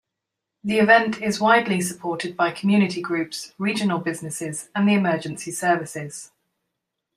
The event is widely supported by community groups, regional businesses and the emergency services.